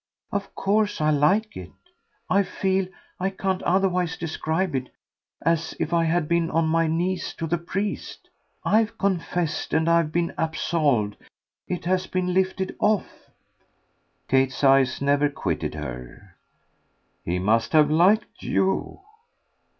"Of course I like it. I feel I can't otherwise describe it as if I had been on my knees to the priest. I've confessed and I've been absolved. It has been lifted off." Kate's eyes never quitted her. "He must have liked YOU."